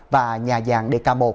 và nhà dạng dk một